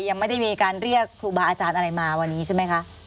ยังไม่ได้มีการเรียกครูบาอาจารย์อะไรมาวันนี้ใช่ไหมคะ